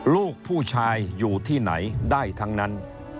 ลูกผู้ชายอยู่ที่ไหนได้ทั้งนั้น